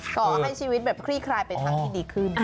ขอให้ชีวิตแบบคลี่คลายไปทางที่ดีขึ้น